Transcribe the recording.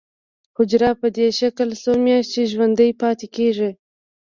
حجره په دې شکل څو میاشتې ژوندی پاتې کیږي.